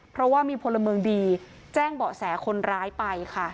เพราะว่ามีพลเมืองดีแจ้งเบาะแสคนร้ายไปค่ะ